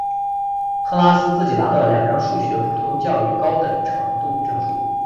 特拉斯自己拿到了两张数学普通教育高级程度证书。